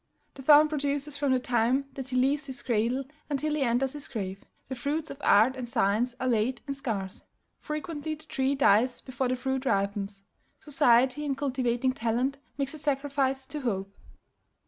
The farmer produces from the time that he leaves his cradle until he enters his grave: the fruits of art and science are late and scarce; frequently the tree dies before the fruit ripens. Society, in cultivating talent, makes a sacrifice to hope.